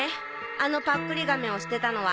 あのパックリ亀を捨てたのは。